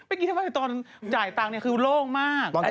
เมื่อกี้เท่าไหร่ตอนจ่ายตังค์คือโล่งมาก